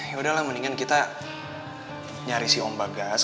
yaudah lah mendingan kita nyari si om bagas